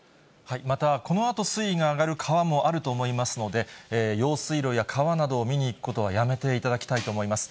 また、このあと水位が上がる川もあると思いますので、用水路や川などを見に行くことはやめていただきたいと思います。